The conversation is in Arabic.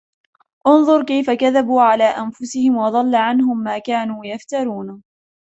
انظر كيف كذبوا على أنفسهم وضل عنهم ما كانوا يفترون